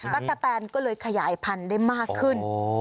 กะแตนก็เลยขยายพันธุ์ได้มากขึ้น